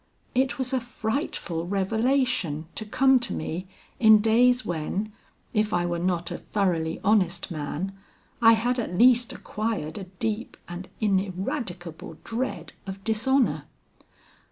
It was a frightful revelation to come to me in days when, if I were not a thoroughly honest man, I had at least acquired a deep and ineradicable dread of dishonor.